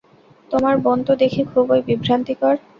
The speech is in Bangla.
তোমার বোন তো দেখি খুবই বিভ্রান্তিকর।